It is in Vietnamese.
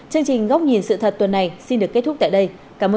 chương trình góc nhìn sự thật tuần này xin được kết thúc tại đây